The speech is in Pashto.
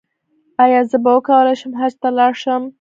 ایا زه به وکولی شم حج ته لاړ شم؟